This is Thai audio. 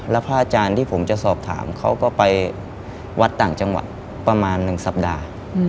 แล้วพระอาจารย์ที่ผมจะสอบถามเขาก็ไปวัดต่างจังหวัดประมาณ๑สัปดาห์